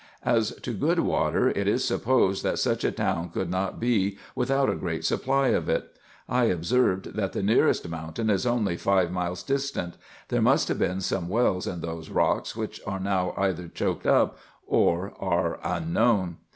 As to good water, it is supposed that such a town could not be without a great supply of it. I observed, that the nearest mountain is only five miles distant. There must have been some wells in those rocks, which are now either choked up or are unknown.